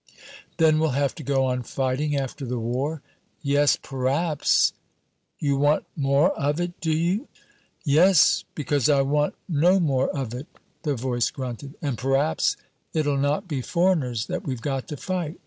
"Then we'll have to go on fighting after the war?" "Yes, p'raps " "You want more of it, do you?" "Yes, because I want no more of it," the voice grunted. "And p'raps it'll not be foreigners that we've got to fight?"